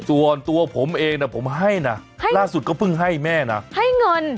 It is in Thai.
ส่วนตัวผมเองนะผมให้นะล่าสุดก็เพิ่งให้แม่นะให้เงิน